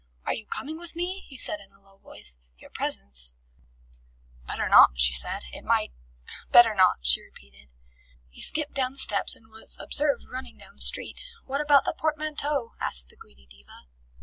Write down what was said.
"Are you coming with me?" he said in a low voice. "Your presence " "Better not," she said. "It might Better not," she repeated. He skipped down the steps and was observed running down the street. "What about the portmanteau?" asked the greedy Diva.